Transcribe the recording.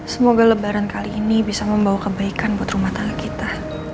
semoga lebaran kali ini bisa membawa kebaikan buat rumah tangga kita